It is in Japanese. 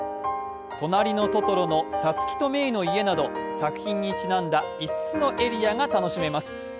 「となりのトトロ」のさつきとメイの家など、作品にちなんだ５つのエリアが楽しめます。